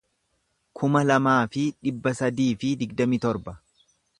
kuma lamaa fi dhibba sadii fi digdamii torba